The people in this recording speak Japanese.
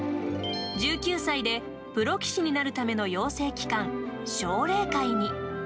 １９歳でプロ棋士になるための養成機関奨励会に。